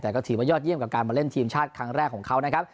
แต่ก็ถือว่ายอดเยี่ยมกับการมาเล่นทีมชาติครั้งแรกของเขานะครับ